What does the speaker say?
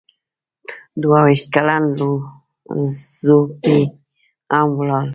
دوه ویشت کلن لو ځو پي هم ولاړ و.